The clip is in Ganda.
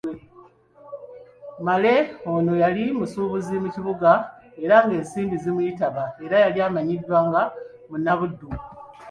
Male ono yali musuubuzi mu kibuga era ng'ensimbi zimuyitaba era yali amanyiddwa nga munnabuddu.